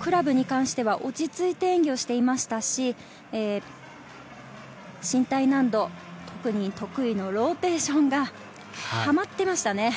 クラブに関しては落ち着いて演技をしていましたし、身体難度、得意のローテーションがはまっていましたね。